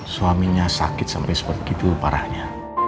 suaminya sakit sampai seperti itu parahnya